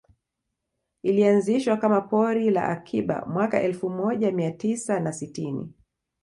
Ilianzishwa kama pori la akiba mwaka elfu moja mia tisa na sitini